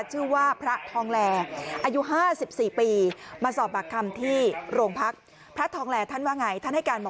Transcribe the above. ชื่อว่าพระทองแหลอายุห้าสิบสี่ปี